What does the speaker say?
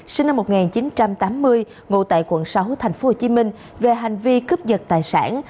sinh năm một nghìn chín trăm tám mươi ngụ tại quận sáu tp hcm về hành vi cướp giật tài sản